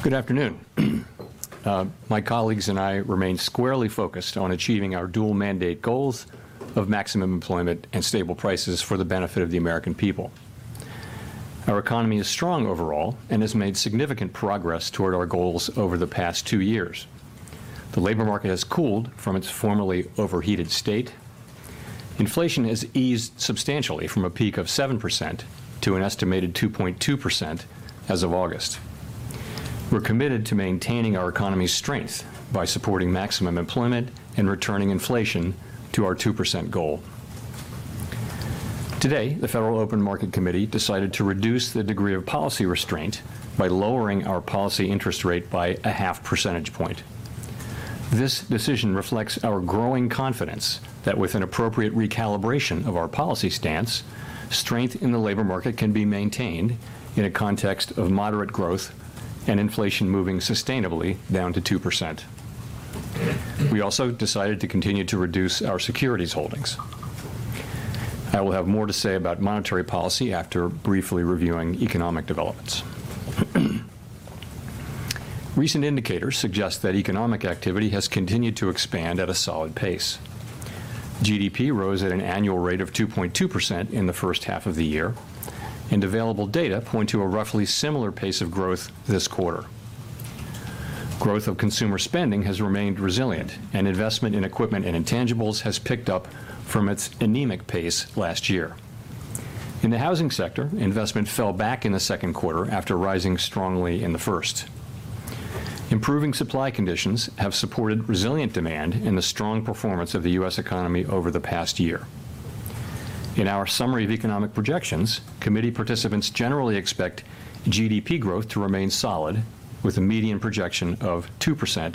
Good afternoon. My colleagues and I remain squarely focused on achieving our dual mandate goals of maximum employment and stable prices for the benefit of the American people. Our economy is strong overall and has made significant progress toward our goals over the past two years. The labor market has cooled from its formerly overheated state. Inflation has eased substantially from a peak of 7% to an estimated 2.2% as of August. We're committed to maintaining our economy's strength by supporting maximum employment and returning inflation to our 2% goal. Today, the Federal Open Market Committee decided to reduce the degree of policy restraint by lowering our policy interest rate by a half percentage point. This decision reflects our growing confidence that with an appropriate recalibration of our policy stance, strength in the labor market can be maintained in a context of moderate growth and inflation moving sustainably down to 2%. We also decided to continue to reduce our securities holdings. I will have more to say about monetary policy after briefly reviewing economic developments. Recent indicators suggest that economic activity has continued to expand at a solid pace. GDP rose at an annual rate of 2.2% in the first half of the year, and available data point to a roughly similar pace of growth this quarter. Growth of consumer spending has remained resilient, and investment in equipment and intangibles has picked up from its anemic pace last year. In the housing sector, investment fell back in the second quarter after rising strongly in the first. Improving supply conditions have supported resilient demand in the strong performance of the U.S. economy over the past year. In our Summary of Economic Projections, committee participants generally expect GDP growth to remain solid, with a median projection of 2%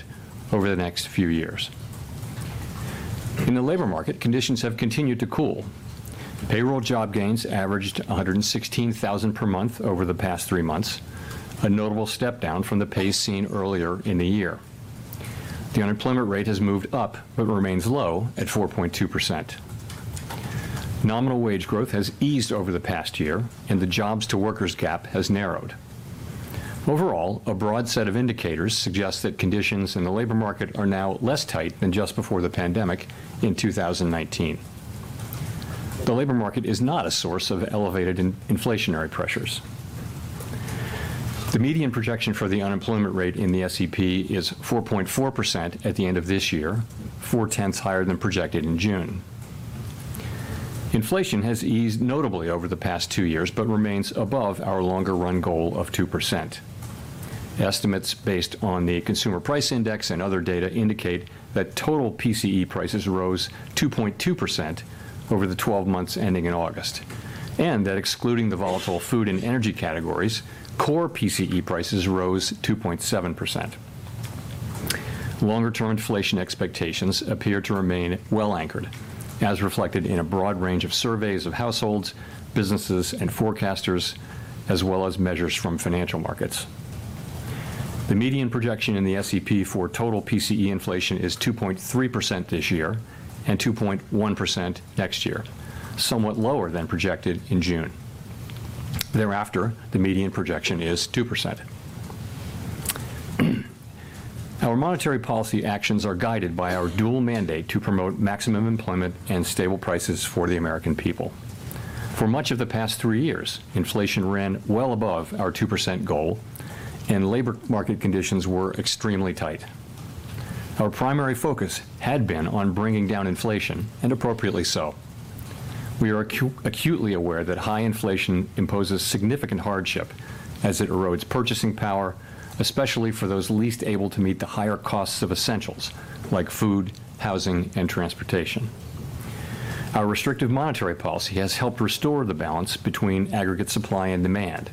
over the next few years. In the labor market, conditions have continued to cool. Payroll job gains averaged 116,000 per month over the past three months, a notable step down from the pace seen earlier in the year. The unemployment rate has moved up but remains low at 4.2%. Nominal wage growth has eased over the past year, and the jobs-to-workers gap has narrowed. Overall, a broad set of indicators suggest that conditions in the labor market are now less tight than just before the pandemic in two thousand and nineteen. The labor market is not a source of elevated inflationary pressures. The median projection for the unemployment rate in the SEP is 4.4% at the end of this year, four-tenths higher than projected in June. Inflation has eased notably over the past two years, but remains above our longer run goal of 2%. Estimates based on the Consumer Price Index and other data indicate that total PCE prices rose 2.2% over the twelve months ending in August, and that excluding the volatile food and energy categories, core PCE prices rose 2.7%. Longer-term inflation expectations appear to remain well anchored, as reflected in a broad range of surveys of households, businesses, and forecasters, as well as measures from financial markets. The median projection in the SEP for total PCE inflation is 2.3% this year and 2.1% next year, somewhat lower than projected in June. Thereafter, the median projection is 2%. Our monetary policy actions are guided by our dual mandate to promote maximum employment and stable prices for the American people. For much of the past three years, inflation ran well above our 2% goal, and labor market conditions were extremely tight. Our primary focus had been on bringing down inflation, and appropriately so. We are acutely aware that high inflation imposes significant hardship as it erodes purchasing power, especially for those least able to meet the higher costs of essentials like food, housing, and transportation. Our restrictive monetary policy has helped restore the balance between aggregate supply and demand,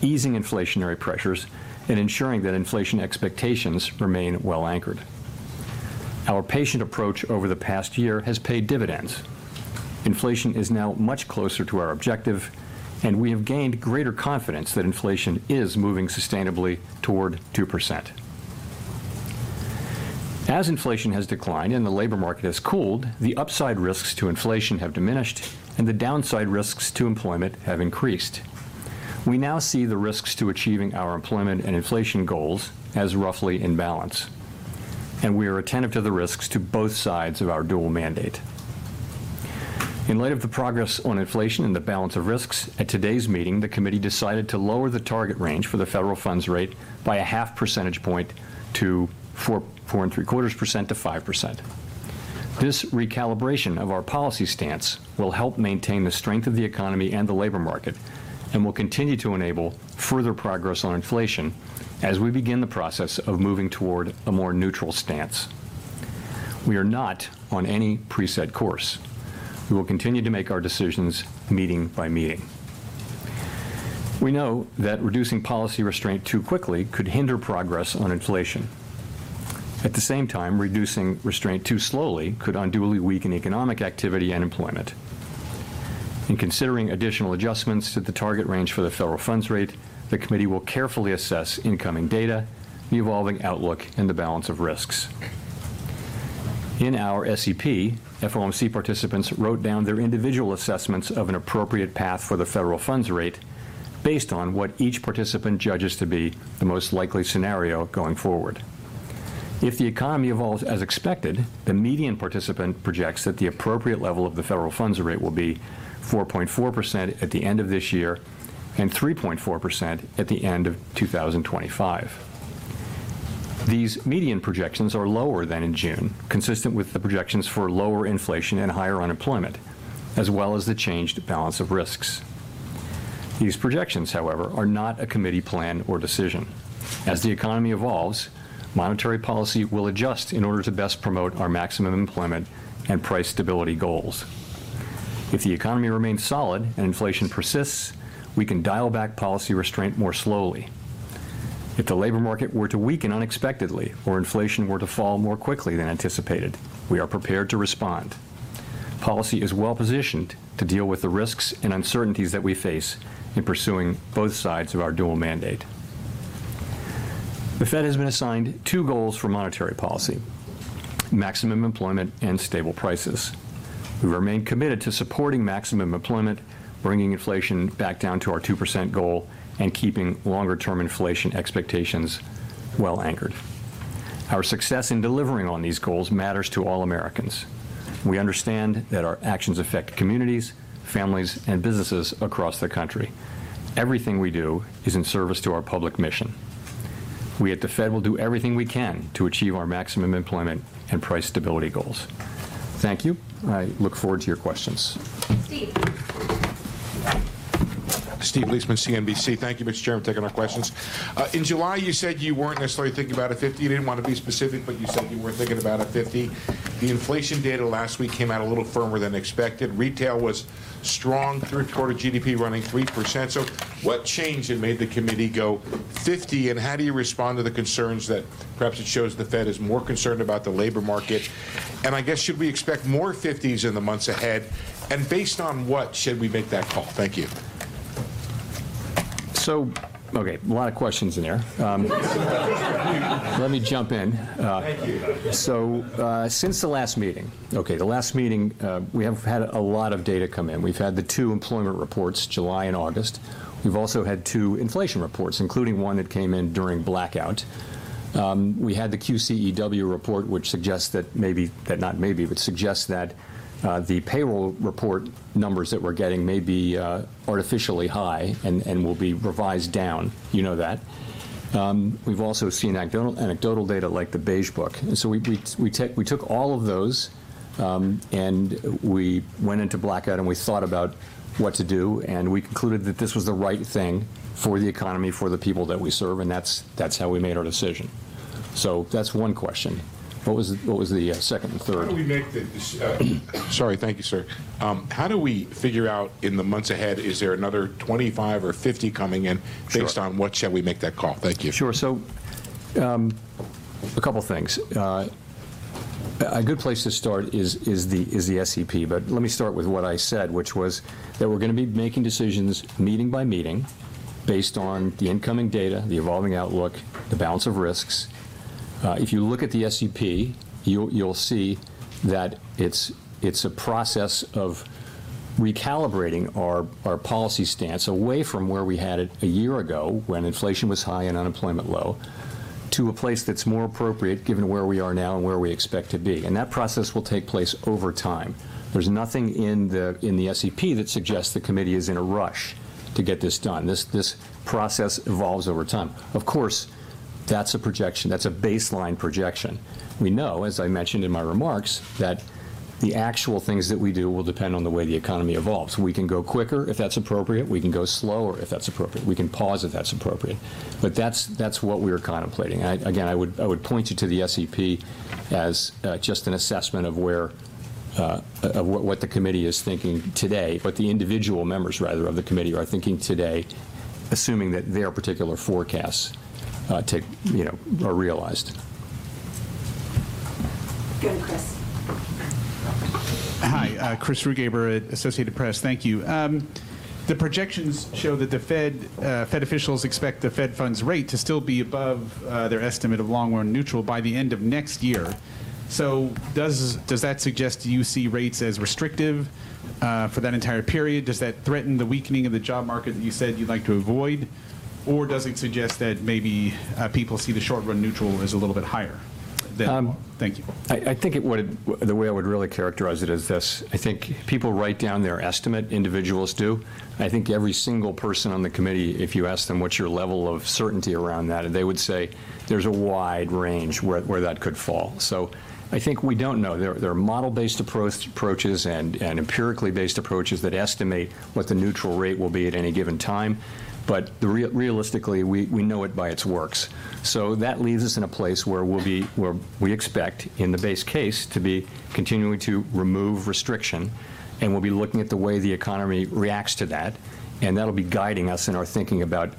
easing inflationary pressures and ensuring that inflation expectations remain well anchored. Our patient approach over the past year has paid dividends. Inflation is now much closer to our objective, and we have gained greater confidence that inflation is moving sustainably toward 2%. As inflation has declined and the labor market has cooled, the upside risks to inflation have diminished and the downside risks to employment have increased. We now see the risks to achieving our employment and inflation goals as roughly in balance, and we are attentive to the risks to both sides of our dual mandate. In light of the progress on inflation and the balance of risks, at today's meeting, the committee decided to lower the target range for the federal funds rate by a half percentage point to 4.75%-5%. This recalibration of our policy stance will help maintain the strength of the economy and the labor market and will continue to enable further progress on inflation as we begin the process of moving toward a more neutral stance. We are not on any preset course. We will continue to make our decisions meeting by meeting. We know that reducing policy restraint too quickly could hinder progress on inflation. At the same time, reducing restraint too slowly could unduly weaken economic activity and employment. In considering additional adjustments to the target range for the federal funds rate, the committee will carefully assess incoming data, the evolving outlook, and the balance of risks. In our SEP, FOMC participants wrote down their individual assessments of an appropriate path for the federal funds rate based on what each participant judges to be the most likely scenario going forward. If the economy evolves as expected, the median participant projects that the appropriate level of the Federal funds rate will be 4.4% at the end of this year, and 3.4% at the end of 2025. These median projections are lower than in June, consistent with the projections for lower inflation and higher unemployment, as well as the changed balance of risks. These projections, however, are not a committee plan or decision. As the economy evolves, monetary policy will adjust in order to best promote our maximum employment and price stability goals. If the economy remains solid and inflation persists, we can dial back policy restraint more slowly. If the labor market were to weaken unexpectedly or inflation were to fall more quickly than anticipated, we are prepared to respond. Policy is well-positioned to deal with the risks and uncertainties that we face in pursuing both sides of our dual mandate. The Fed has been assigned two goals for monetary policy: maximum employment and stable prices. We remain committed to supporting maximum employment, bringing inflation back down to our 2% goal, and keeping longer-term inflation expectations well anchored. Our success in delivering on these goals matters to all Americans. We understand that our actions affect communities, families, and businesses across the country. Everything we do is in service to our public mission. We at the Fed will do everything we can to achieve our maximum employment and price stability goals. Thank you. I look forward to your questions. Steve. Steve Liesman, CNBC. Thank you, Mr. Chair, for taking our questions. In July, you said you weren't necessarily thinking about a fifty. You didn't want to be specific, but you said you were thinking about a fifty. The inflation data last week came out a little firmer than expected. Retail was strong, third quarter GDP running 3%. So what changed and made the committee go fifty, and how do you respond to the concerns that perhaps it shows the Fed is more concerned about the labor market? And I guess, should we expect more fifties in the months ahead, and based on what should we make that call? Thank you. Okay, a lot of questions in there. Let me jump in. Thank you. So, since the last meeting. Okay, the last meeting, we have had a lot of data come in. We've had the two employment reports, July and August. We've also had two inflation reports, including one that came in during blackout. We had the QCEW report, which suggests that maybe, that not maybe, but suggests that the payroll report numbers that we're getting may be artificially high and will be revised down. You know that. We've also seen anecdotal data like the Beige Book. So we took all of those, and we went into blackout, and we thought about what to do, and we concluded that this was the right thing for the economy, for the people that we serve, and that's how we made our decision. So that's one question. What was the second and third? Sorry. Thank you, sir. How do we figure out, in the months ahead, is there another 25 or 50 coming in? Sure. Based on what shall we make that call? Thank you. Sure. So, a couple things. A good place to start is the SEP, but let me start with what I said, which was that we're gonna be making decisions meeting by meeting based on the incoming data, the evolving outlook, the balance of risks. If you look at the SEP, you'll see that it's a process of recalibrating our policy stance away from where we had it a year ago, when inflation was high and unemployment low, to a place that's more appropriate given where we are now and where we expect to be, and that process will take place over time. There's nothing in the SEP that suggests the committee is in a rush to get this done. This process evolves over time. Of course, that's a projection. That's a baseline projection. We know, as I mentioned in my remarks, that the actual things that we do will depend on the way the economy evolves. We can go quicker, if that's appropriate. We can go slower, if that's appropriate. We can pause, if that's appropriate. But that's what we are contemplating. Again, I would point you to the SEP as just an assessment of where, of what the committee is thinking today, what the individual members, rather, of the committee are thinking today, assuming that their particular forecasts take, you know, are realized. Go ahead, Chris. Hi, Chris Rugaber, Associated Press. Thank you. The projections show that the Fed officials expect the Fed funds rate to still be above their estimate of long-run neutral by the end of next year. So does that suggest you see rates as restrictive for that entire period? Does that threaten the weakening of the job market that you said you'd like to avoid? Or does it suggest that maybe people see the short-run neutral as a little bit higher than. Thank you. I think it would, the way I would really characterize it is this: I think people write down their estimate, individuals do, and I think every single person on the committee, if you ask them what's your level of certainty around that, they would say there's a wide range where that could fall. So I think we don't know. There are model-based approaches and empirically based approaches that estimate what the neutral rate will be at any given time, but realistically, we know it by its works. So that leaves us in a place where we expect, in the base case, to be continuing to remove restriction, and we'll be looking at the way the economy reacts to that, and that'll be guiding us in our thinking about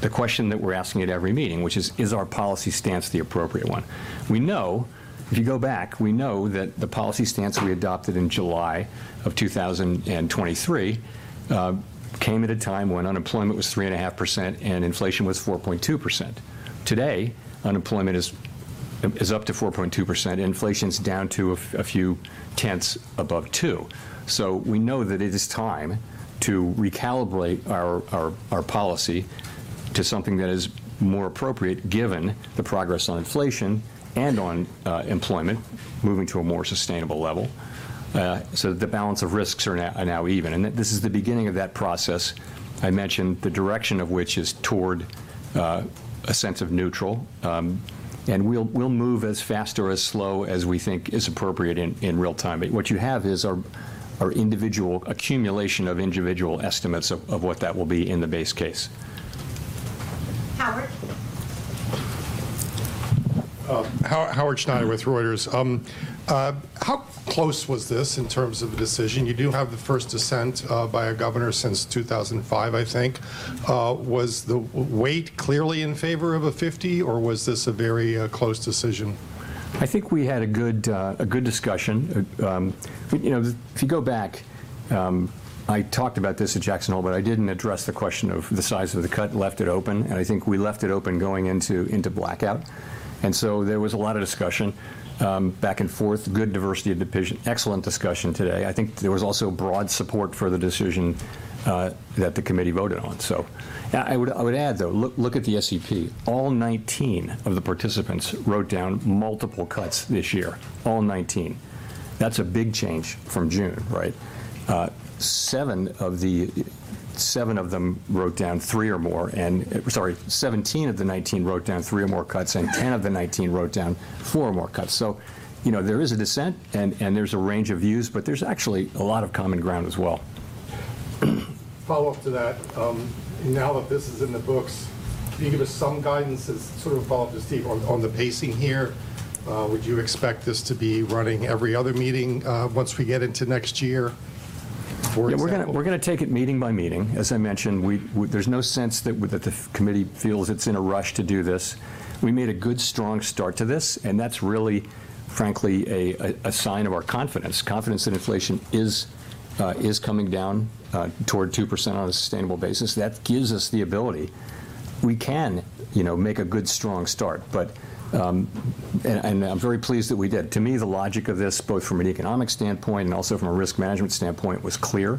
the question that we're asking at every meeting, which is: Is our policy stance the appropriate one? We know, if you go back, we know that the policy stance we adopted in July 2023 came at a time when unemployment was 3.5%, and inflation was 4.2%. Today, unemployment is up to 4.2%, inflation's down to a few tenths above 2%. So we know that it is time to recalibrate our policy to something that is more appropriate, given the progress on inflation and on employment moving to a more sustainable level. So the balance of risks are now even, and this is the beginning of that process. I mentioned the direction of which is toward a sense of neutral, and we'll move as fast or as slow as we think is appropriate in real time. But what you have is our individual accumulation of individual estimates of what that will be in the base case. Howard? Howard Schneider with Reuters. How close was this in terms of the decision? You do have the first dissent by a governor since 2005, I think. Was the weight clearly in favor of a 50, or was this a very close decision? I think we had a good discussion. You know, if you go back, I talked about this at Jackson Hole, but I didn't address the question of the size of the cut and left it open, and I think we left it open going into blackout. And so there was a lot of discussion, back and forth, good diversity of opinion, excellent discussion today. I think there was also broad support for the decision that the committee voted on. So I would add, though, look at the SEP. All 19 of the participants wrote down multiple cuts this year. All 19. That's a big change from June, right? Seven of them wrote down three or more, and sorry, 17 of the 19 wrote down three or more cuts, and 10 of the 19 wrote down four or more cuts. So, you know, there is a dissent, and there's a range of views, but there's actually a lot of common ground as well. Follow-up to that. Now that this is in the books, can you give us some guidance as sort of follow to Steve on the pacing here? Would you expect this to be running every other meeting, once we get into next year, for example? Yeah, we're gonna take it meeting by meeting. As I mentioned, there's no sense that the committee feels it's in a rush to do this. We made a good, strong start to this, and that's really, frankly, a sign of our confidence. Confidence that inflation is coming down toward 2% on a sustainable basis. That gives us the ability. We can, you know, make a good, strong start, but. I'm very pleased that we did. To me, the logic of this, both from an economic standpoint and also from a risk management standpoint, was clear.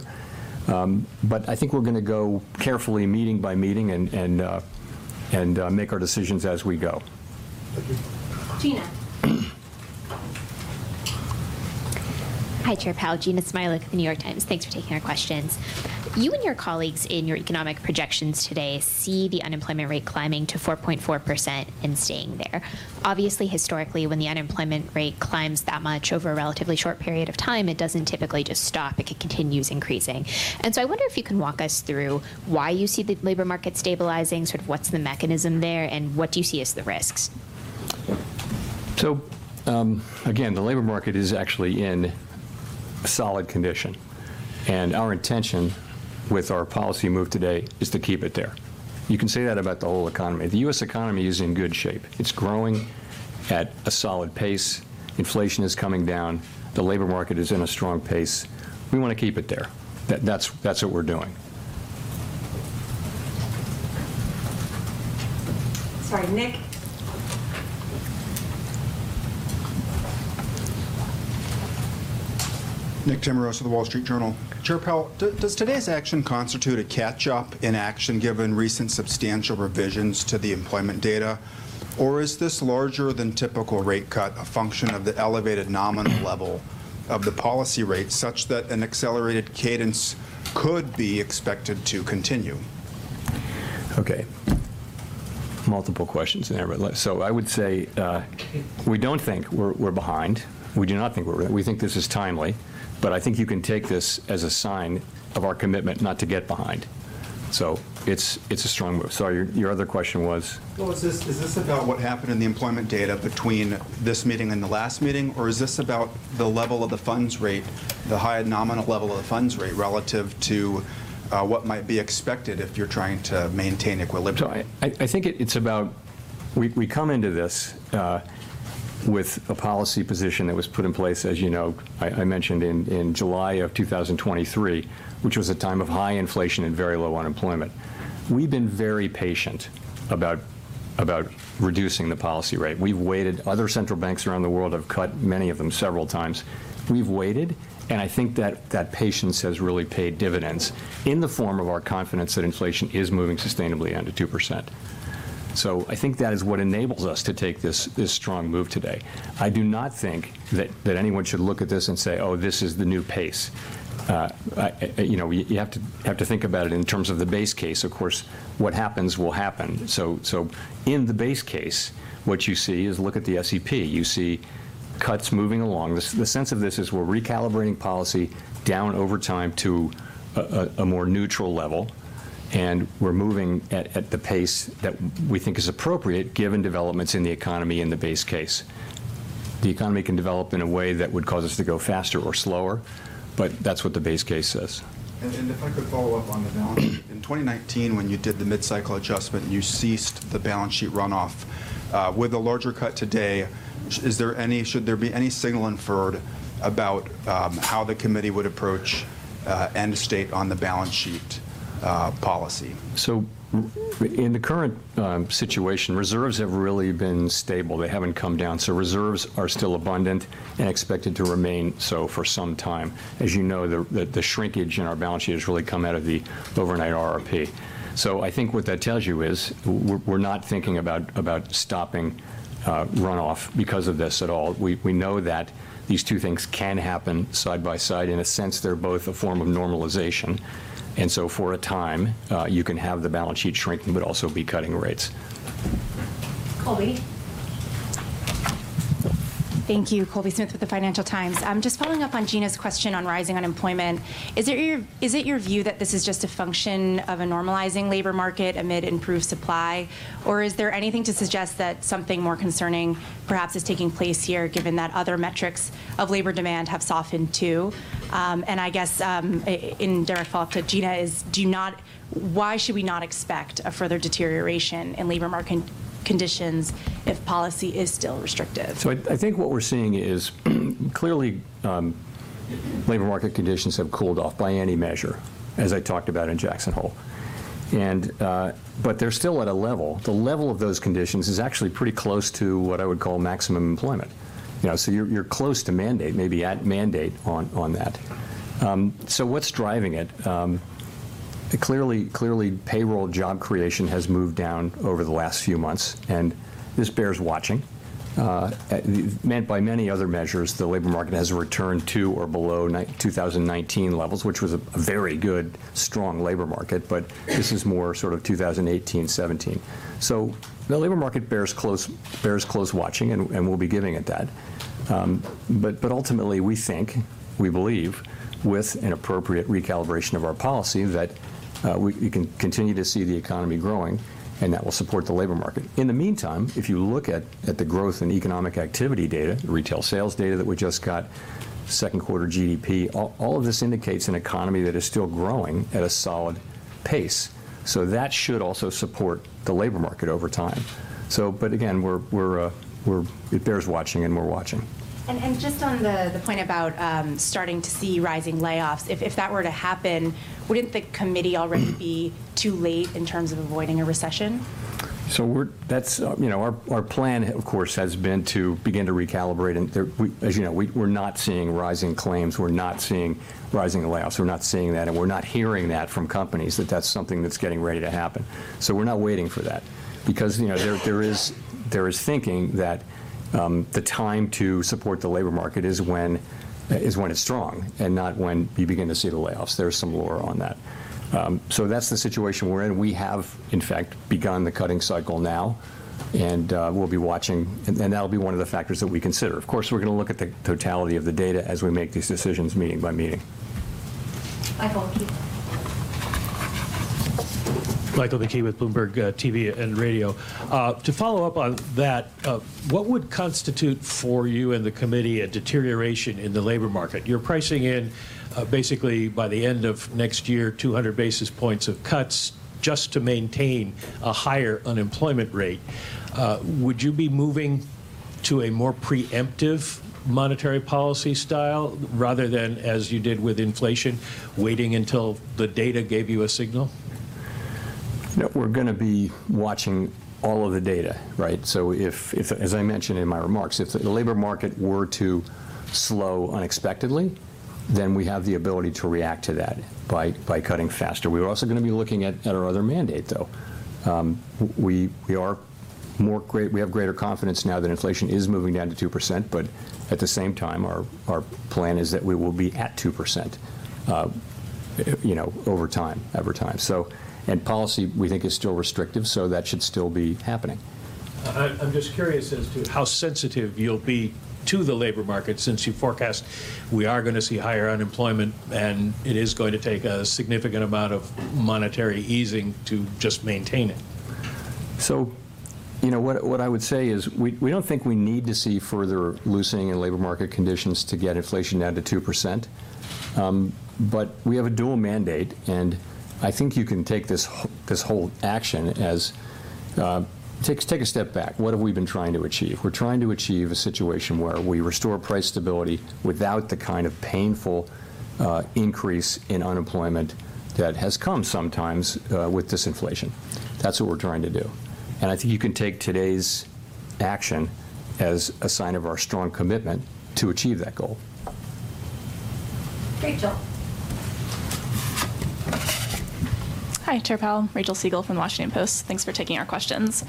But I think we're gonna go carefully, meeting by meeting, and make our decisions as we go. Thank you. Jeanna. Hi, Chair Powell. Jeanna Smialek with The New York Times. Thanks for taking our questions. You and your colleagues in your economic projections today see the unemployment rate climbing to 4.4% and staying there. Obviously, historically, when the unemployment rate climbs that much over a relatively short period of time, it doesn't typically just stop. It continues increasing. And so I wonder if you can walk us through why you see the labor market stabilizing, sort of what's the mechanism there, and what do you see as the risks? Again, the labor market is actually in a solid condition, and our intention with our policy move today is to keep it there. You can say that about the whole economy. The U.S. economy is in good shape. It's growing at a solid pace. Inflation is coming down. The labor market is in a strong pace. We wanna keep it there. That's what we're doing. Sorry. Nick? Nick Timiraos of The Wall Street Journal. Chair Powell, does today's action constitute a catch-up in action, given recent substantial revisions to the employment data, or is this larger-than-typical rate cut a function of the elevated nominal level of the policy rate, such that an accelerated cadence could be expected to continue? Okay. Multiple questions there, but let's, so I would say, we don't think we're behind. We do not think we're... We think this is timely, but I think you can take this as a sign of our commitment not to get behind. So it's a strong move. Sorry, your other question was? Is this about what happened in the employment data between this meeting and the last meeting, or is this about the level of the funds rate, the high nominal level of the funds rate, relative to what might be expected if you're trying to maintain equilibrium? So I think it's about we come into this with a policy position that was put in place, as you know, I mentioned, in July of two thousand twenty-three, which was a time of high inflation and very low unemployment. We've been very patient about reducing the policy rate. We've waited. Other central banks around the world have cut, many of them several times. We've waited, and I think that patience has really paid dividends in the form of our confidence that inflation is moving sustainably down to 2%. So I think that is what enables us to take this strong move today. I do not think that anyone should look at this and say: "Oh, this is the new pace." You know, you have to think about it in terms of the base case. Of course, what happens will happen. So, in the base case, what you see is, look at the SEP. You see cuts moving along. The sense of this is we're recalibrating policy down over time to a more neutral level, and we're moving at the pace that we think is appropriate, given developments in the economy in the base case. The economy can develop in a way that would cause us to go faster or slower, but that's what the base case says. And if I could follow up on the balance sheet-... In 2019, when you did the mid-cycle adjustment, you ceased the balance sheet runoff. With a larger cut today, should there be any signal inferred about, how the committee would approach, end state on the balance sheet, policy? So in the current situation, reserves have really been stable. They haven't come down, so reserves are still abundant and expected to remain so for some time. As you know, the shrinkage in our balance sheet has really come out of the overnight RRP. So I think what that tells you is we're not thinking about stopping runoff because of this at all. We know that these two things can happen side by side. In a sense, they're both a form of normalization, and so for a time, you can have the balance sheet shrinking, but also be cutting rates. Colby? Thank you. Colby Smith with the Financial Times. I'm just following up on Jeanna's question on rising unemployment. Is it your view that this is just a function of a normalizing labor market amid improved supply? Or is there anything to suggest that something more concerning perhaps is taking place here, given that other metrics of labor demand have softened, too? And I guess, in direct follow-up to Jeanna, why should we not expect a further deterioration in labor market conditions if policy is still restrictive? So I think what we're seeing is, clearly, labor market conditions have cooled off by any measure, as I talked about in Jackson Hole. But they're still at a level. The level of those conditions is actually pretty close to what I would call maximum employment. You know, so you're close to mandate, maybe at mandate on that. So what's driving it? Clearly, payroll job creation has moved down over the last few months, and this bears watching. By many other measures, the labor market has returned to or below 2019 levels, which was a very good, strong labor market, but this is more sort of 2018, 2017. So the labor market bears close watching, and we'll be giving it that. But ultimately, we think, we believe, with an appropriate recalibration of our policy, that we can continue to see the economy growing, and that will support the labor market. In the meantime, if you look at the growth in economic activity data, retail sales data that we just got, second quarter GDP, all of this indicates an economy that is still growing at a solid pace. So that should also support the labor market over time. So but again, we're... It bears watching, and we're watching. Just on the point about starting to see rising layoffs, if that were to happen, wouldn't the committee already be too late in terms of avoiding a recession? So that's. You know, our plan, of course, has been to begin to recalibrate, and there, as you know, we're not seeing rising claims. We're not seeing rising layoffs. We're not seeing that, and we're not hearing that from companies, that that's something that's getting ready to happen. So we're not waiting for that. Because, you know, there is thinking that the time to support the labor market is when it's strong and not when you begin to see the layoffs. There's some lore on that. So that's the situation we're in. We have, in fact, begun the cutting cycle now, and we'll be watching, and that'll be one of the factors that we consider. Of course, we're gonna look at the totality of the data as we make these decisions, meeting by meeting. Michael McKee. Michael McKee with Bloomberg TV and Radio. To follow up on that, what would constitute for you and the committee a deterioration in the labor market? You're pricing in, basically by the end of next year, two hundred basis points of cuts just to maintain a higher unemployment rate. Would you be moving to a more preemptive monetary policy style, rather than, as you did with inflation, waiting until the data gave you a signal? You know, we're gonna be watching all of the data, right? So, as I mentioned in my remarks, if the labor market were to slow unexpectedly, then we have the ability to react to that by cutting faster. We're also gonna be looking at our other mandate, though. We have greater confidence now that inflation is moving down to 2%, but at the same time, our plan is that we will be at 2%, you know, over time. So, and policy, we think, is still restrictive, so that should still be happening. I'm just curious as to how sensitive you'll be to the labor market, since you forecast we are gonna see higher unemployment, and it is going to take a significant amount of monetary easing to just maintain it. So you know, what I would say is, we don't think we need to see further loosening in labor market conditions to get inflation down to 2%. But we have a dual mandate, and I think you can take this this whole action as... Take a step back. What have we been trying to achieve? We're trying to achieve a situation where we restore price stability without the kind of painful increase in unemployment that has come sometimes with disinflation. That's what we're trying to do, and I think you can take today's action as a sign of our strong commitment to achieve that goal. Rachel. Hi, Chair Powell. Rachel Siegel from The Washington Post. Thanks for taking our questions.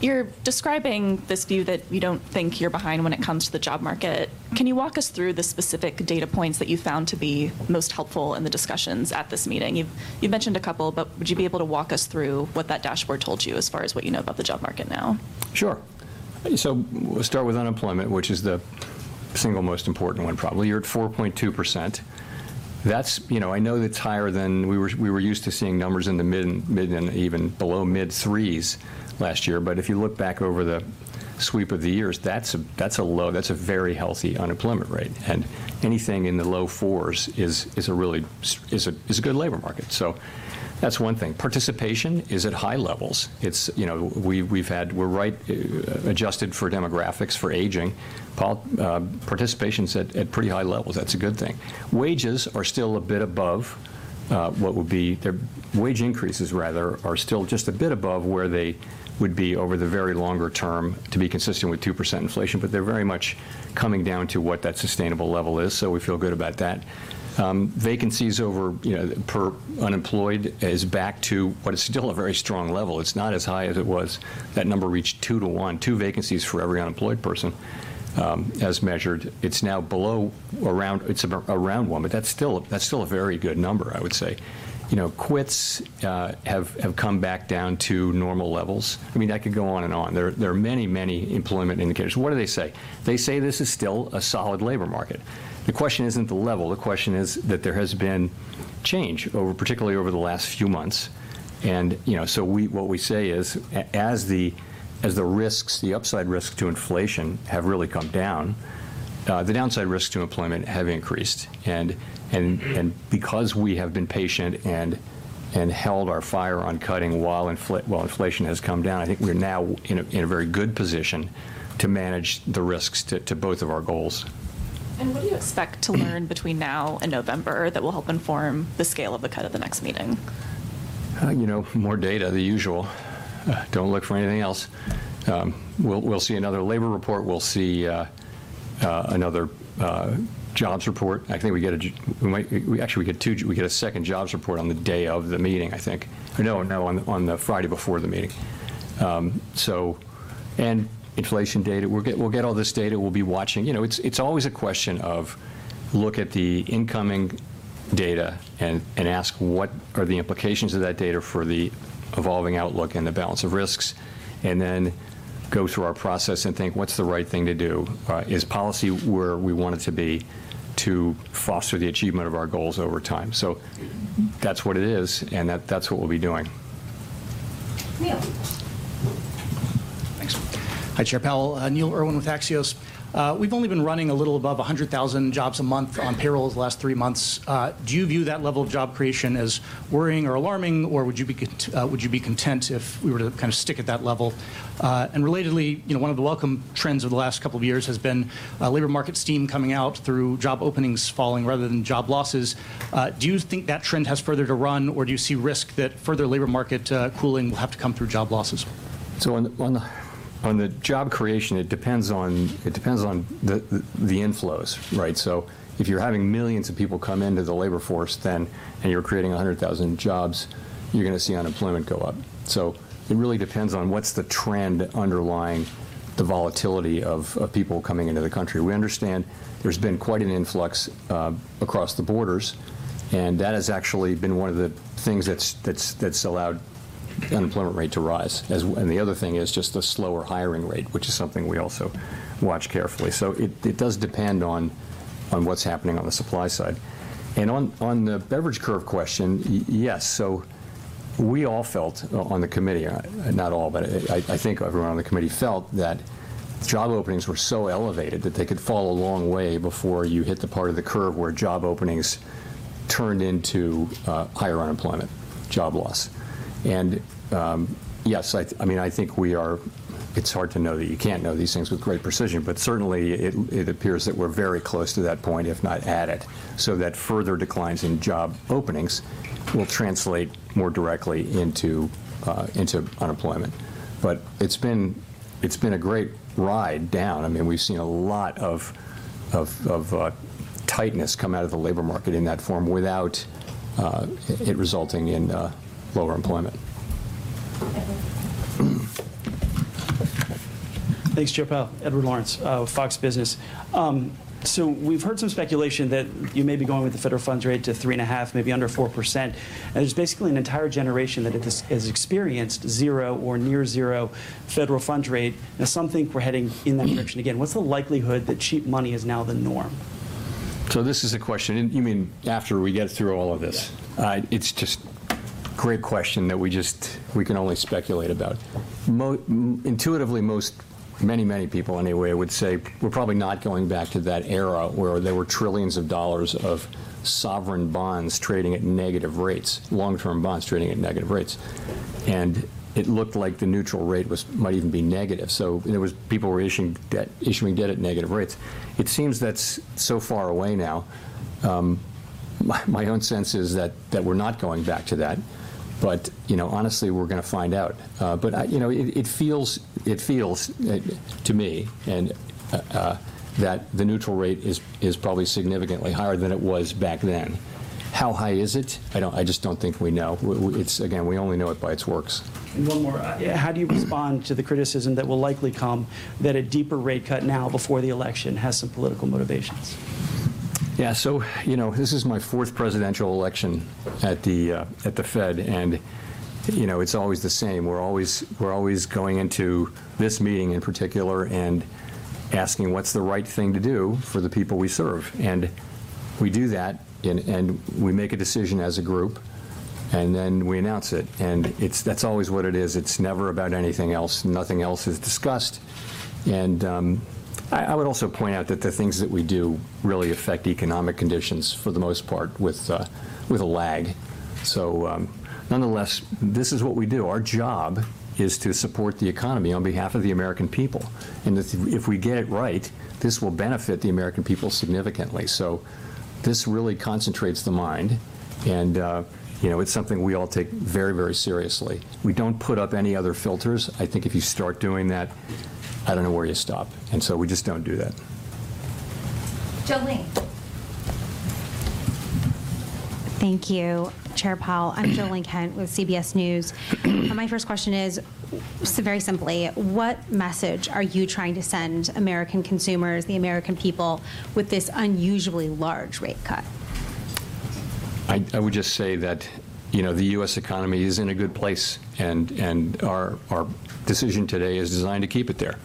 You're describing this view that you don't think you're behind when it comes to the job market. Can you walk us through the specific data points that you found to be most helpful in the discussions at this meeting? You've mentioned a couple, but would you be able to walk us through what that dashboard told you as far as what you know about the job market now? Sure. So we'll start with unemployment, which is the single most important one, probably. You're at 4.2%. That's, you know, I know that's higher than we were used to seeing numbers in the mid- and even below mid-threes last year. But if you look back over the sweep of the years, that's a low, that's a very healthy unemployment rate. And anything in the low fours is a really good labor market. So that's one thing. Participation is at high levels. It's, you know, we've had. We're right adjusted for demographics, for aging. Participation's at pretty high levels. That's a good thing. Wages are still a bit above what would be their wage increases, rather, are still just a bit above where they would be over the very longer term to be consistent with 2% inflation, but they're very much coming down to what that sustainable level is, so we feel good about that. Vacancies over, you know, per unemployed is back to, but it's still a very strong level. It's not as high as it was. That number reached two to one, two vacancies for every unemployed person, as measured. It's now below, around, it's around one, but that's still a very good number, I would say. You know, quits have come back down to normal levels. I mean, I could go on and on. There are many employment indicators. What do they say? They say this is still a solid labor market. The question isn't the level, the question is that there has been change over, particularly over the last few months. And, you know, so what we say is, as the risks, the upside risks to inflation have really come down, the downside risks to employment have increased. And because we have been patient and held our fire on cutting while inflation has come down, I think we're now in a very good position to manage the risks to both of our goals. What do you expect to learn between now and November that will help inform the scale of the cut at the next meeting? You know, more data, the usual. Don't look for anything else. We'll see another labor report. We'll see another jobs report. I think we might actually get two jobs reports. We get a second jobs report on the day of the meeting, I think. No, on the Friday before the meeting and inflation data. We'll get all this data. We'll be watching. You know, it's always a question of look at the incoming data and ask what are the implications of that data for the evolving outlook and the balance of risks, and then go through our process and think, "What's the right thing to do? Is policy where we want it to be to foster the achievement of our goals over time? So that's what it is, and that's what we'll be doing. Neil. Thanks. Hi, Chair Powell. Neil Irwin with Axios. We've only been running a little above a hundred thousand jobs a month on payrolls the last three months. Do you view that level of job creation as worrying or alarming, or would you be content if we were to kind of stick at that level? And relatedly, you know, one of the welcome trends over the last couple of years has been labor market steam coming out through job openings falling rather than job losses. Do you think that trend has further to run, or do you see risk that further labor market cooling will have to come through job losses? So on the job creation, it depends on the inflows, right? So if you're having millions of people come into the labor force, then, and you're creating a hundred thousand jobs, you're gonna see unemployment go up. So it really depends on what's the trend underlying the volatility of people coming into the country. We understand there's been quite an influx across the borders, and that has actually been one of the things that's allowed the unemployment rate to rise. And the other thing is just the slower hiring rate, which is something we also watch carefully. So it does depend on what's happening on the supply side. And on the Beveridge curve question, yes. So we all felt, on the committee, not all, but I think everyone on the committee felt that job openings were so elevated that they could fall a long way before you hit the part of the curve where job openings turned into higher unemployment, job loss, and yes, I mean, I think we are. It's hard to know that. You can't know these things with great precision, but certainly it appears that we're very close to that point, if not at it, so that further declines in job openings will translate more directly into unemployment. But it's been a great ride down. I mean, we've seen a lot of tightness come out of the labor market in that form without it resulting in lower employment. Edward. Thanks, Chair Powell. Edward Lawrence with Fox Business. So we've heard some speculation that you may be going with the federal funds rate to 3.5%, maybe under 4%. And there's basically an entire generation that has experienced zero or near zero federal funds rate. And some think we're heading in that direction again. What's the likelihood that cheap money is now the norm? So this is a question, and you mean after we get through all of this? Yeah. It's just a great question that we can only speculate about. Intuitively, most, many people anyway would say we're probably not going back to that era where there were trillions of dollars of sovereign bonds trading at negative rates, long-term bonds trading at negative rates. And it looked like the neutral rate was, might even be negative. So, you know, it was, people were issuing debt, issuing debt at negative rates. It seems that's so far away now. My own sense is that we're not going back to that. But, you know, honestly, we're gonna find out. But you know, it feels to me that the neutral rate is probably significantly higher than it was back then. How high is it? I just don't think we know. It's, again, we only know it by its works. And one more. How do you respond to the criticism that will likely come that a deeper rate cut now before the election has some political motivations? ... Yeah, so, you know, this is my fourth presidential election at the, at the Fed, and, you know, it's always the same. We're always going into this meeting in particular and asking, "What's the right thing to do for the people we serve?" And we do that, and we make a decision as a group, and then we announce it, and it's, that's always what it is. It's never about anything else. Nothing else is discussed. And I would also point out that the things that we do really affect economic conditions for the most part with a lag. So, nonetheless, this is what we do. Our job is to support the economy on behalf of the American people, and if we get it right, this will benefit the American people significantly. So this really concentrates the mind, and, you know, it's something we all take very, very seriously. We don't put up any other filters. I think if you start doing that, I don't know where you stop, and so we just don't do that. Jo Ling. Thank you, Chair Powell. I'm Jo Ling Kent with CBS News. My first question is, very simply, what message are you trying to send American consumers, the American people, with this unusually large rate cut? I would just say that, you know, the U.S. economy is in a good place, and our decision today is designed to keep it there.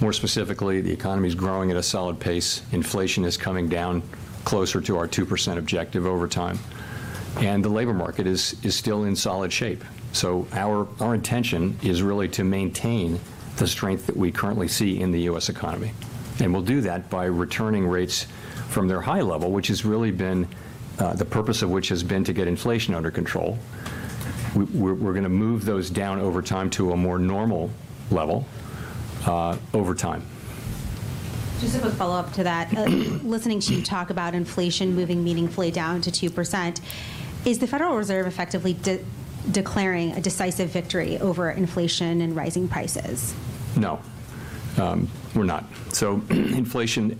More specifically, the economy's growing at a solid pace, inflation is coming down closer to our 2% objective over time, and the labor market is still in solid shape. So our intention is really to maintain the strength that we currently see in the U.S. economy, and we'll do that by returning rates from their high level, which has really been the purpose of which has been to get inflation under control. We're gonna move those down over time to a more normal level, over time. Just a quick follow-up to that. Listening to you talk about inflation moving meaningfully down to 2%, is the Federal Reserve effectively declaring a decisive victory over inflation and rising prices? No, we're not. So, inflation,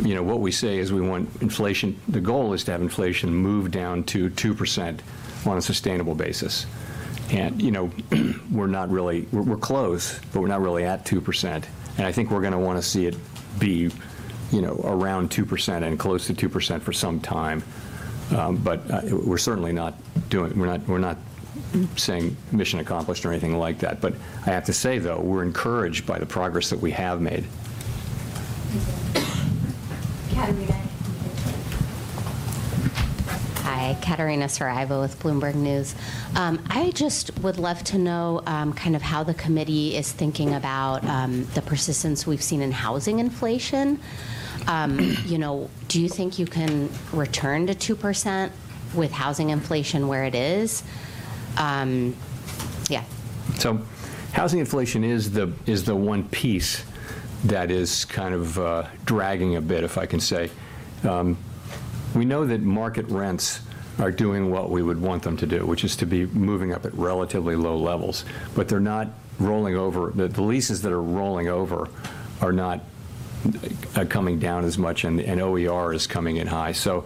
you know, what we say is, we want inflation, the goal is to have inflation move down to 2% on a sustainable basis. And, you know, we're not really. We're close, but we're not really at 2%, and I think we're gonna wanna see it be, you know, around 2% and close to 2% for some time. But, we're certainly not. We're not saying, "Mission accomplished," or anything like that. But I have to say, though, we're encouraged by the progress that we have made. Catarina. Hi, Catarina Saraiva with Bloomberg News. I just would love to know, kind of how the committee is thinking about, the persistence we've seen in housing inflation. You know, do you think you can return to 2% with housing inflation where it is? So housing inflation is the one piece that is kind of dragging a bit, if I can say. We know that market rents are doing what we would want them to do, which is to be moving up at relatively low levels. But they're not rolling over. The leases that are rolling over are not coming down as much, and OER is coming in high. So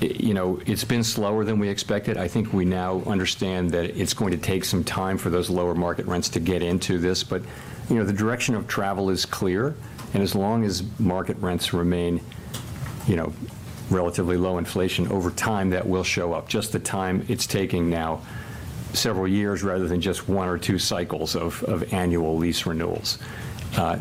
you know, it's been slower than we expected. I think we now understand that it's going to take some time for those lower market rents to get into this. But you know, the direction of travel is clear, and as long as market rents remain you know, relatively low inflation, over time, that will show up. Just the time, it's taking now several years rather than just one or two cycles of annual lease renewals.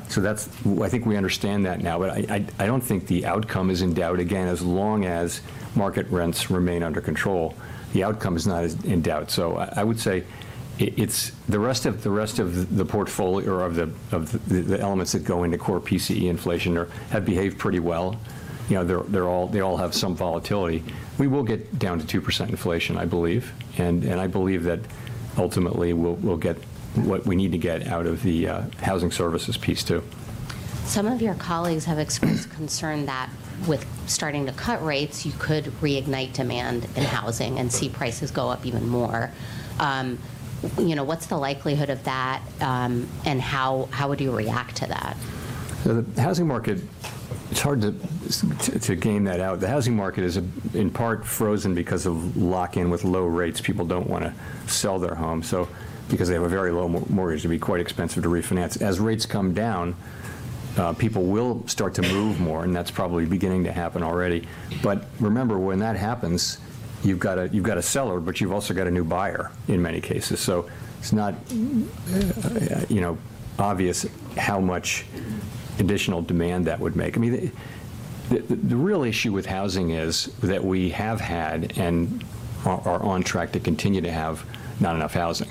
So that's I think we understand that now, but I don't think the outcome is in doubt. Again, as long as market rents remain under control, the outcome is not as in doubt. So I would say it's the rest of the portfolio or of the elements that go into core PCE inflation have behaved pretty well. You know, they all have some volatility. We will get down to 2% inflation, I believe, and I believe that ultimately, we'll get what we need to get out of the housing services piece, too. Some of your colleagues have expressed concern that with starting to cut rates, you could reignite demand in housing and see prices go up even more. You know, what's the likelihood of that, and how would you react to that? The housing market, it's hard to gauge that out. The housing market is in part frozen because of lock-in with low rates. People don't wanna sell their homes, so because they have a very low mortgage, it'd be quite expensive to refinance. As rates come down, people will start to move more, and that's probably beginning to happen already. But remember, when that happens, you've got a seller, but you've also got a new buyer in many cases. So it's not, you know, obvious how much additional demand that would make. I mean, the real issue with housing is that we have had and are on track to continue to have not enough housing,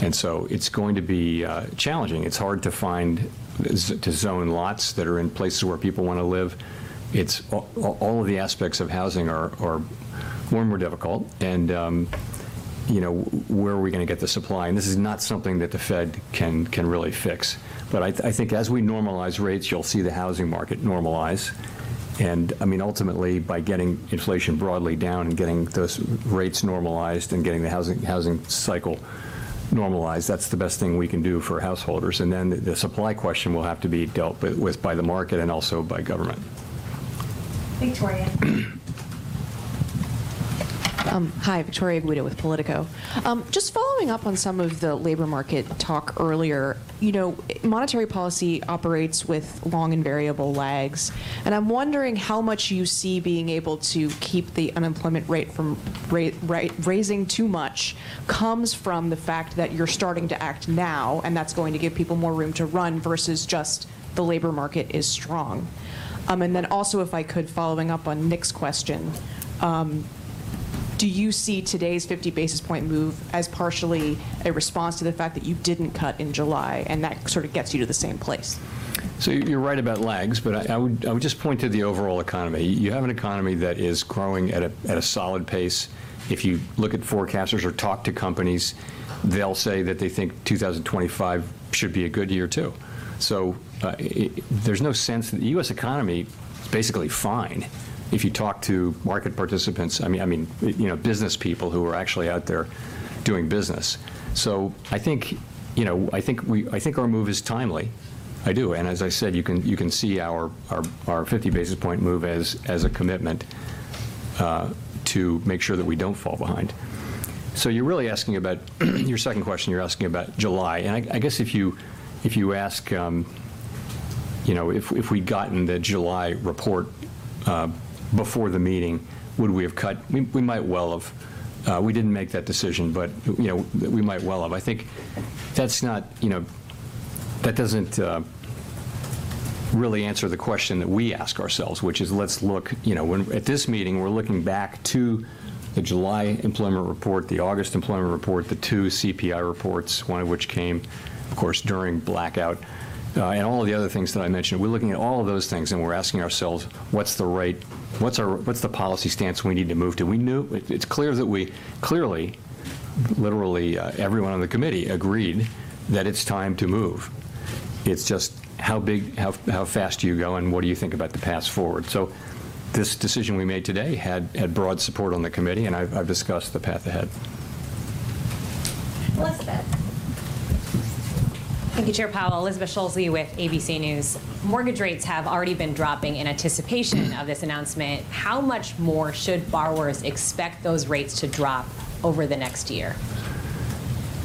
and so it's going to be challenging. It's hard to find zoned lots that are in places where people want to live. It's all of the aspects of housing are more and more difficult, and you know, where are we gonna get the supply? And this is not something that the Fed can really fix. But I think as we normalize rates, you'll see the housing market normalize, and I mean, ultimately, by getting inflation broadly down and getting those rates normalized and getting the housing cycle normalized, that's the best thing we can do for householders. And then the supply question will have to be dealt with by the market and also by government. Victoria? Hi, Victoria Guida with Politico. Just following up on some of the labor market talk earlier, you know, monetary policy operates with long and variable lags, and I'm wondering how much you see being able to keep the unemployment rate from raising too much comes from the fact that you're starting to act now, and that's going to give people more room to run versus just the labor market is strong. And then also, if I could, following up on Nick's question, do you see today's 50 basis point move as partially a response to the fact that you didn't cut in July, and that sort of gets you to the same place? So you're right about lags, but I would just point to the overall economy. You have an economy that is growing at a solid pace. If you look at forecasters or talk to companies, they'll say that they think 2025 should be a good year, too. So there's no sense. The U.S. economy is basically fine. If you talk to market participants, I mean, you know, business people who are actually out there doing business. So I think, you know, I think our move is timely. I do, and as I said, you can see our 50 basis points move as a commitment to make sure that we don't fall behind. So you're really asking about your second question. You're asking about July, and I guess if you ask, you know, if we'd gotten the July report, we might well have. We didn't make that decision, but, you know, we might well have. I think that's not, you know, that doesn't really answer the question that we ask ourselves, which is, let's look. You know, when at this meeting, we're looking back to the July employment report, the August employment report, the two CPI reports, one of which came, of course, during blackout, and all of the other things that I mentioned. We're looking at all of those things, and we're asking ourselves, what's the right, what's our, what's the policy stance we need to move to? It's clear that we clearly, literally, everyone on the committee agreed that it's time to move. It's just how big, how fast do you go, and what do you think about the path forward? So this decision we made today had broad support on the committee, and I've discussed the path ahead. Elizabeth. Thank you, Chair Powell. Elizabeth Schulze with ABC News. Mortgage rates have already been dropping in anticipation of this announcement. How much more should borrowers expect those rates to drop over the next year?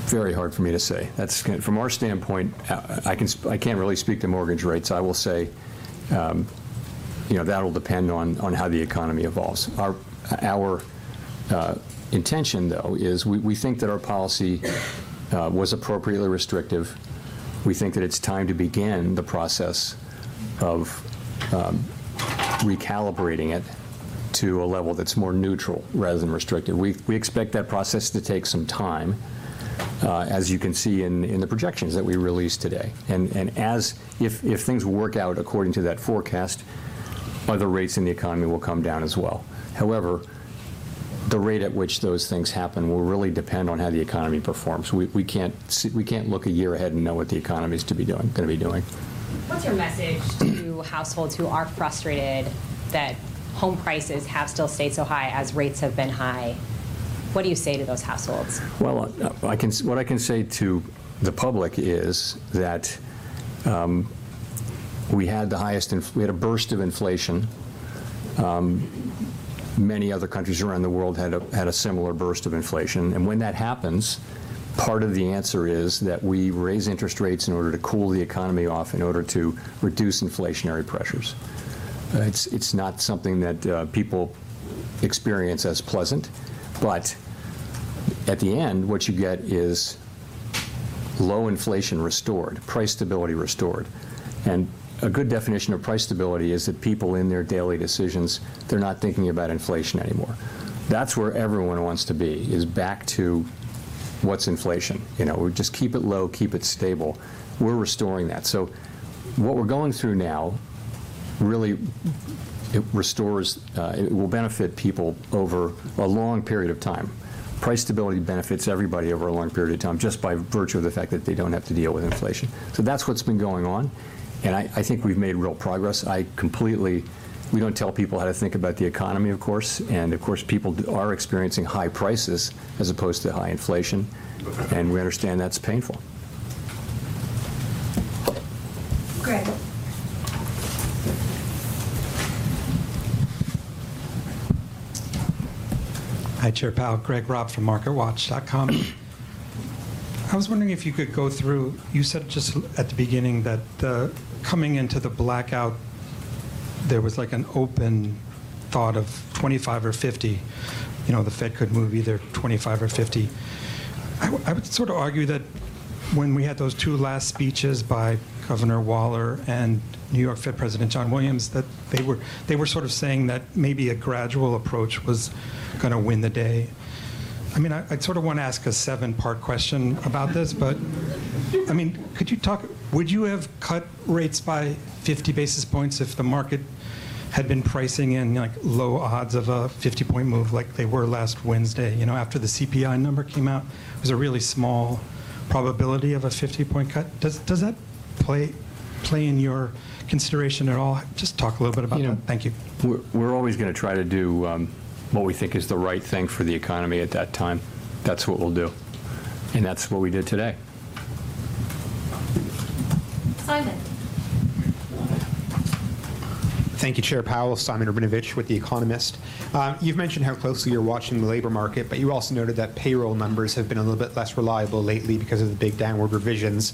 Very hard for me to say. That's from our standpoint. I can't really speak to mortgage rates. I will say, you know, that'll depend on how the economy evolves. Our intention, though, is we think that our policy was appropriately restrictive. We think that it's time to begin the process of recalibrating it to a level that's more neutral rather than restrictive. We expect that process to take some time, as you can see in the projections that we released today. And as if things work out according to that forecast, other rates in the economy will come down as well. However, the rate at which those things happen will really depend on how the economy performs. We can't look a year ahead and know what the economy is gonna be doing. What's your message to households who are frustrated that home prices have still stayed so high as rates have been high? What do you say to those households? Well, what I can say to the public is that we had a burst of inflation. Many other countries around the world had a similar burst of inflation, and when that happens, part of the answer is that we raise interest rates in order to cool the economy off, in order to reduce inflationary pressures. It's not something that people experience as pleasant, but at the end, what you get is low inflation restored, price stability restored and a good definition of price stability is that people in their daily decisions, they're not thinking about inflation anymore. That's where everyone wants to be, is back to what's inflation? You know, we just keep it low, keep it stable. We're restoring that, so what we're going through now, really, it restores. It will benefit people over a long period of time. Price stability benefits everybody over a long period of time, just by virtue of the fact that they don't have to deal with inflation. So that's what's been going on, and I think we've made real progress. We don't tell people how to think about the economy, of course, and of course, people are experiencing high prices as opposed to high inflation, and we understand that's painful. Greg. Hi, Chair Powell, Greg Robb from MarketWatch.com. I was wondering if you could go through. You said just at the beginning that the coming into the blackout, there was, like, an open thought of twenty-five or fifty. You know, the Fed could move either twenty-five or fifty. I would sort of argue that when we had those two last speeches by Governor Waller and New York Fed President John Williams, that they were sort of saying that maybe a gradual approach was gonna win the day. I mean, I sort of want to ask a seven-part question about this. But, I mean, could you talk. Would you have cut rates by fifty basis points if the market had been pricing in, like, low odds of a fifty-point move like they were last Wednesday? You know, after the CPI number came out, it was a really small probability of a fifty-point cut. Does that play in your consideration at all? Just talk a little bit about that. You know- Thank you. We're always gonna try to do what we think is the right thing for the economy at that time. That's what we'll do, and that's what we did today. ... Simon? Thank you, Chair Powell. Simon Rabinovitch with The Economist. You've mentioned how closely you're watching the labor market, but you also noted that payroll numbers have been a little bit less reliable lately because of the big downward revisions.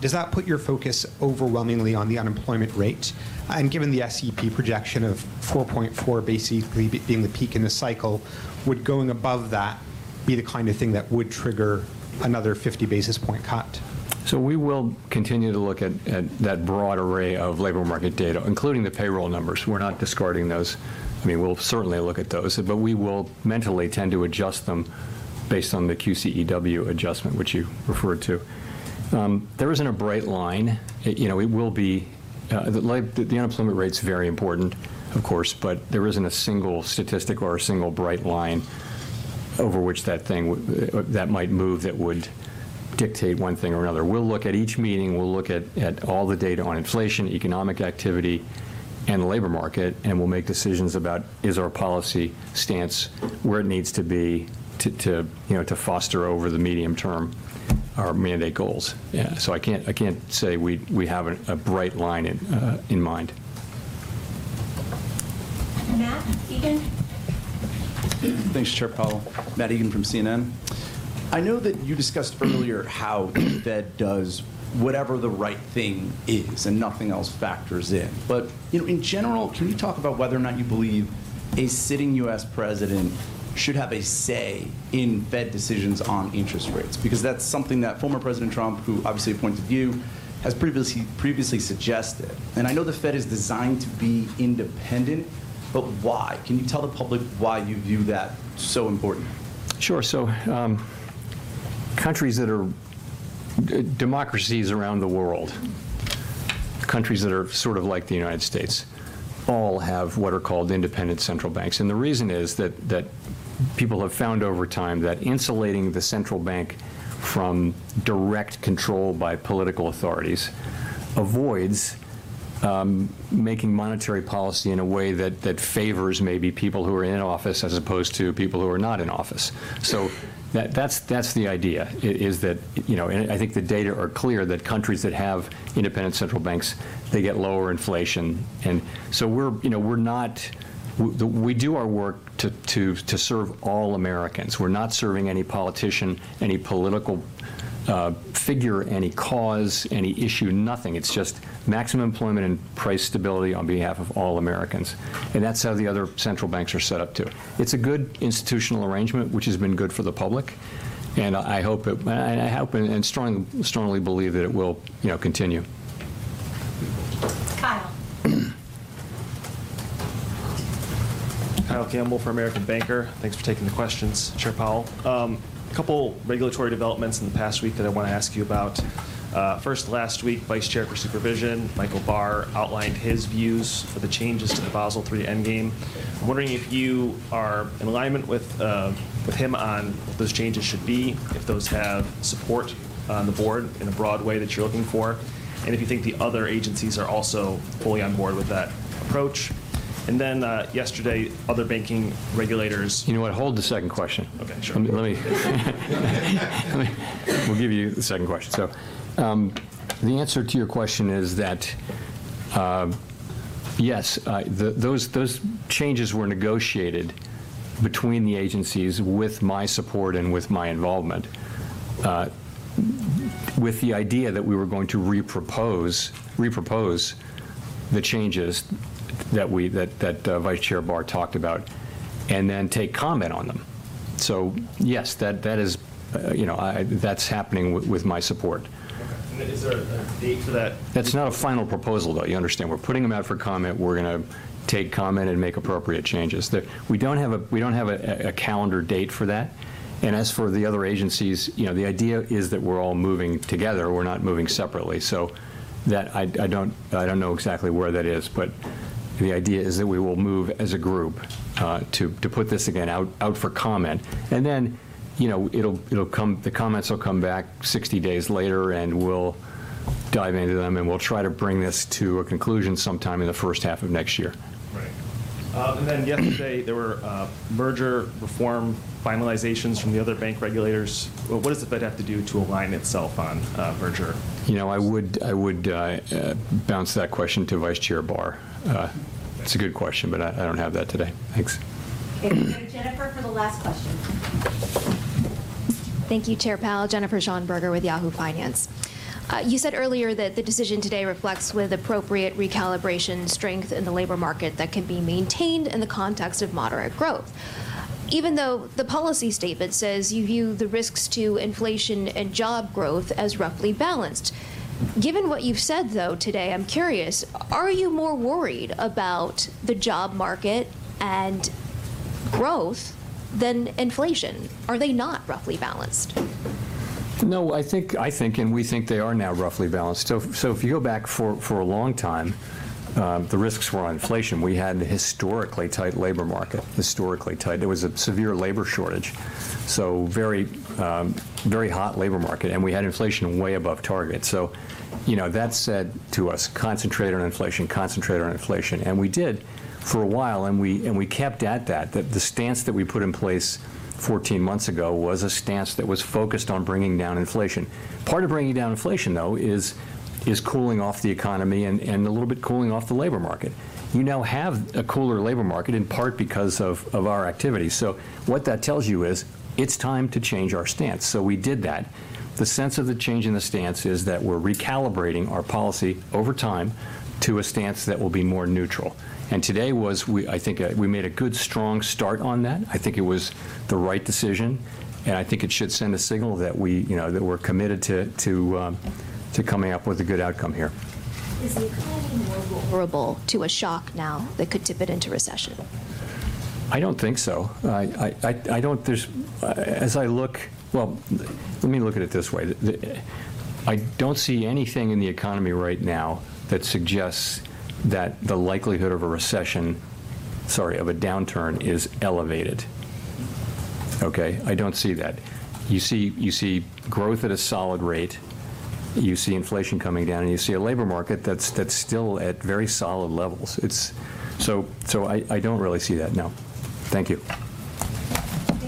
Does that put your focus overwhelmingly on the unemployment rate? And given the SEP projection of 4.4 basically being the peak in the cycle, would going above that be the kind of thing that would trigger another 50 basis point cut? So we will continue to look at that broad array of labor market data, including the payroll numbers. We're not discarding those. I mean, we'll certainly look at those, but we will mentally tend to adjust them based on the QCEW adjustment, which you referred to. There isn't a bright line. It, you know, it will be the unemployment rate's very important, of course, but there isn't a single statistic or a single bright line over which that thing that might move, that would dictate one thing or another. We'll look at each meeting, we'll look at all the data on inflation, economic activity, and the labor market, and we'll make decisions about: Is our policy stance where it needs to be to, you know, to foster over the medium term our mandate goals? Yeah, so I can't say we have a bright line in mind. Matt Egan. Thanks, Chair Powell. Matt Egan from CNN. I know that you discussed earlier how the Fed does whatever the right thing is, and nothing else factors in. But, you know, in general, can you talk about whether or not you believe a sitting U.S. president should have a say in Fed decisions on interest rates? Because that's something that former President Trump, who obviously appointed you, has previously suggested. And I know the Fed is designed to be independent, but why? Can you tell the public why you view that so important? Sure. So countries that are democracies around the world, countries that are sort of like the United States, all have what are called independent central banks. And the reason is that people have found over time that insulating the central bank from direct control by political authorities avoids making monetary policy in a way that favors maybe people who are in office as opposed to people who are not in office. So that's the idea is that. You know, and I think the data are clear that countries that have independent central banks, they get lower inflation. And so we're, you know, we're not. We do our work to serve all Americans. We're not serving any politician, any political figure, any cause, any issue, nothing. It's just maximum employment and price stability on behalf of all Americans, and that's how the other central banks are set up, too. It's a good institutional arrangement, which has been good for the public, and I hope it and strongly believe that it will, you know, continue. Kyle. Kyle Campbell for American Banker. Thanks for taking the questions, Chair Powell. A couple regulatory developments in the past week that I wanna ask you about. First, last week, Vice Chair for Supervision, Michael Barr, outlined his views for the changes to the Basel III Endgame. I'm wondering if you are in alignment with him on what those changes should be, if those have support on the board in a broad way that you're looking for, and if you think the other agencies are also fully on board with that approach, and then yesterday, other banking regulators- You know what? Hold the second question. Okay, sure. Let me. We'll give you the second question. So, the answer to your question is that, yes, those changes were negotiated between the agencies with my support and with my involvement, with the idea that we were going to repropose the changes that Vice Chair Barr talked about, and then take comment on them. So, yes, that is, you know, that's happening with my support. Okay, and is there a date for that? That's not a final proposal, though, you understand. We're putting them out for comment. We're gonna take comment and make appropriate changes. We don't have a calendar date for that, and as for the other agencies, you know, the idea is that we're all moving together. We're not moving separately. So I don't know exactly where that is, but the idea is that we will move as a group to put this again out for comment. And then, you know, it'll come, the comments will come back 60 days later, and we'll dive into them, and we'll try to bring this to a conclusion sometime in the first half of next year. Right. And then yesterday, there were merger reform finalizations from the other bank regulators. What does the Fed have to do to align itself on merger? You know, I would bounce that question to Vice Chair Barr. It's a good question, but I don't have that today. Thanks. Okay. Go to Jennifer for the last question. Thank you, Chair Powell. Jennifer Schonberger with Yahoo Finance. You said earlier that the decision today reflects with appropriate recalibration strength in the labor market that can be maintained in the context of moderate growth, even though the policy statement says you view the risks to inflation and job growth as roughly balanced. Given what you've said, though, today, I'm curious: Are you more worried about the job market and growth than inflation? Are they not roughly balanced? No, I think and we think they are now roughly balanced. So if you go back for a long time, the risks were on inflation. We had a historically tight labor market. There was a severe labor shortage, so very very hot labor market, and we had inflation way above target. So, you know, that said to us, "Concentrate on inflation. Concentrate on inflation." And we did for a while, and we kept at that. The stance that we put in place fourteen months ago was a stance that was focused on bringing down inflation. Part of bringing down inflation, though, is cooling off the economy and a little bit cooling off the labor market. We now have a cooler labor market, in part because of our activities. So what that tells you is, it's time to change our stance, so we did that. The sense of the change in the stance is that we're recalibrating our policy over time to a stance that will be more neutral. And today was. I think we made a good, strong start on that. I think it was the right decision, and I think it should send a signal that we, you know, that we're committed to coming up with a good outcome here. Is the economy more vulnerable to a shock now that could tip it into recession? I don't think so. There's, as I look, well, let me look at it this way. I don't see anything in the economy right now that suggests that the likelihood of a recession, sorry, of a downturn, is elevated. Okay? I don't see that. You see growth at a solid rate, you see inflation coming down, and you see a labor market that's still at very solid levels. It's, so I don't really see that, no. Thank you.